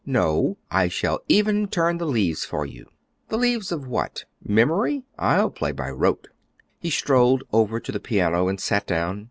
"No; I shall even turn the leaves for you." "The leaves of what, memory? I'll play by rote." He strolled over to the piano and sat down.